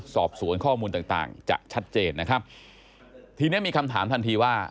สอบสวนข้อมูลต่างต่างจะชัดเจนนะครับทีนี้มีคำถามทันทีว่า